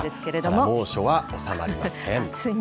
猛暑は収まりません。